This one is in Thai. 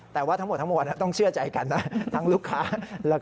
แต่ทั้งหมดต้องเชื่อใจกันทั้งลูกค้า